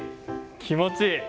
気持ちいい。